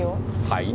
はい？